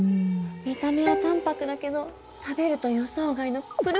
見た目は淡泊だけど食べると予想外のぷるふわ食感。